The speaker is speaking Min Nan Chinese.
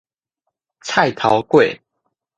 菜頭粿